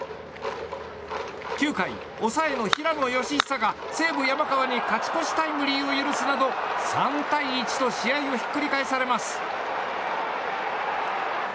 ９回、抑えの平野佳寿が西武、山川に勝ち越しタイムリーを許すなど３対１と試合をひっくり返されます。